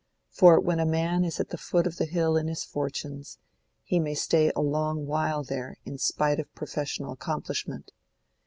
For when a man is at the foot of the hill in his fortunes, he may stay a long while there in spite of professional accomplishment.